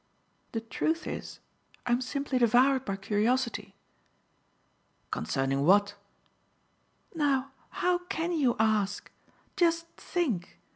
The truth is, I am simply devoured by curiosity." "Concerning what?" "Now, how can you ask? Just think!